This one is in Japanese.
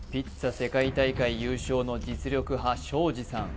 世界大会優勝の実力派庄司さん